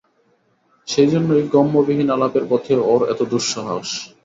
সেইজন্যেই গম্যবিহীন আলাপের পথে ওর এত দুঃসাহস।